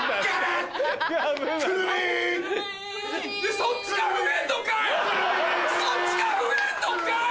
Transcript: そっちが増えんのかい！